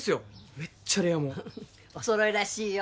めっちゃレアもんお揃いらしいよ